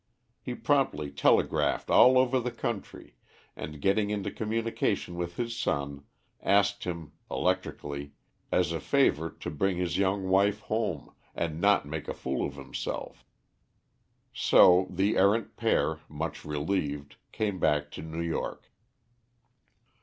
He promptly telegraphed all over the country, and, getting into communication with his son, asked him (electrically) as a favour to bring his young wife home, and not make a fool of himself. So the errant pair, much relieved, came back to New York.